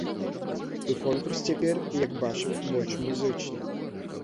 І конкурс цяпер, як бачым, больш музычны.